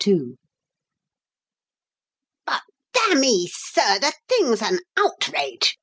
II "But, damme, sir, the thing's an outrage!